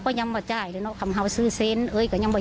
ก็ยังว่าจ่ายเลยเนาะคำหาว่าซื้อเซ็นเอ้ยก็ยังไม่